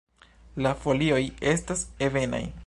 La folioj estas ebenaj.